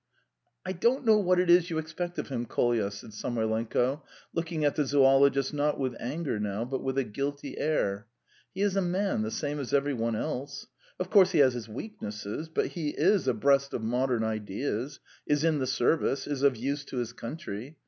"I don't know what it is you expect of him, Kolya," said Samoylenko, looking at the zoologist, not with anger now, but with a guilty air. "He is a man the same as every one else. Of course, he has his weaknesses, but he is abreast of modern ideas, is in the service, is of use to his country.